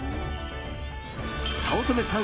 早乙女さん